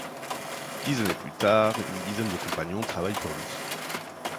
Dix années plus tard, une dizaine de compagnons travaillent pour lui.